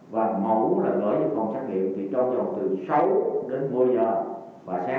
cái thứ hai là truy với điều trai một xong xong và mẫu gỡ vào phòng xác liệu thì trong vòng từ sáu đến một mươi giờ